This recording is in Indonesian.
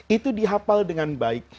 itu dihafal dengan baik